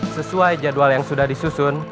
sesuai jadwal yang sudah disusun